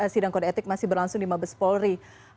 sidang kode etik masih berlangsung di mabes polri